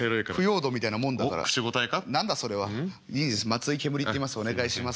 松井ケムリっていいますお願いします。